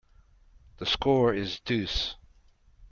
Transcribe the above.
The score is deuce.